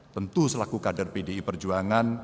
tentu selaku kader pdi perjuangan